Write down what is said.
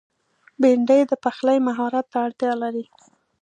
بېنډۍ د پخلي مهارت ته اړتیا لري